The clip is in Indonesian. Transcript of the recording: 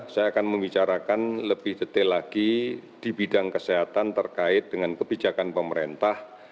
saya akan membicarakan lebih detail lagi di bidang kesehatan terkait dengan kebijakan pemerintah